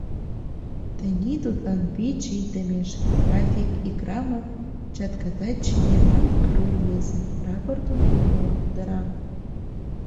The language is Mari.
Тений тудлан вич ий темеш, — Рафик Икрамов, чатката чиеман ару рвезе, рапортым пуымыла кутыра.